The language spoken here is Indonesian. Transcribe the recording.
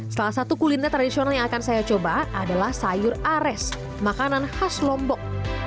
salah satu kuliner tradisional yang akan saya coba adalah sayur ares makanan khas lombok